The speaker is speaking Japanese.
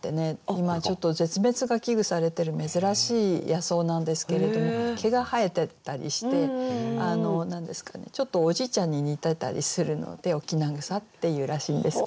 今ちょっと絶滅が危惧されてる珍しい野草なんですけれども毛が生えてたりしてちょっとおじいちゃんに似てたりするので翁草って言うらしいんですけれども。